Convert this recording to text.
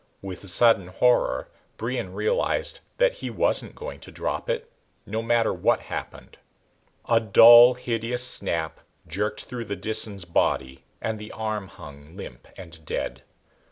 With sudden horror Brion realized that he wasn't going to drop it no matter what happened. A dull, hideous snap jerked through the Disan's body and the arm hung limp and dead.